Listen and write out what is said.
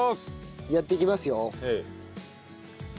やっていきますよ。